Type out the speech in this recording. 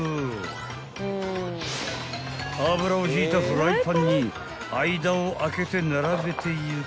［油を引いたフライパンに間を空けて並べていき］